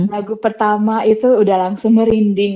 lagu pertama itu udah langsung merinding